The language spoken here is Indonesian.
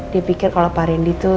dia pikir kalau pak randy tuh